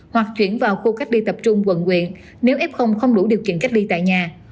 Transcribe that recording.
hoặc chuyển vào khu cách ly tập trung quận quyện nếu f không đủ điều kiện cách ly tại nhà